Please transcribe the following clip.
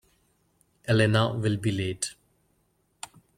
Elena will be late.